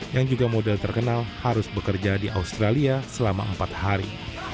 yang juga model terkenal harus bekerja di australia selama empat hari